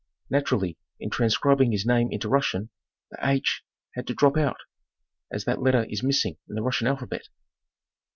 Naturally, in transcribing his name into Russian, the 4 had to drop out, as that letter is missing in the Russian alphabet.